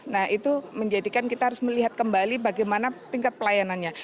nah itu menjadikan kita harus melihat kembali bagaimana tingkat pelayanannya